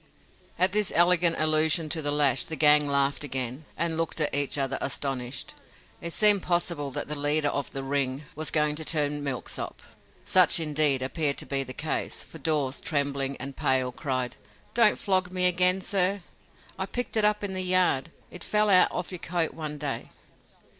At this elegant allusion to the lash, the gang laughed again, and looked at each other astonished. It seemed possible that the leader of the "Ring" was going to turn milksop. Such, indeed, appeared to be the case, for Dawes, trembling and pale, cried, "Don't flog me again, sir! I picked it up in the yard. It fell out of your coat one day."